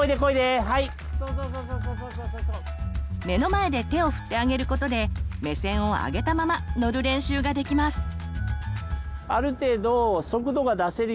目の前で手を振ってあげることで目線を上げたまま乗る練習ができます。